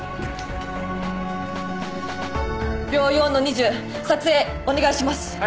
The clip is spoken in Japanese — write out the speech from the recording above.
秒４の２０撮影お願いします。